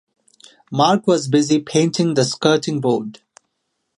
Mark was busy painting the skirting board.